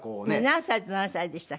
何歳と何歳でしたっけ？